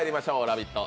「ラヴィット！」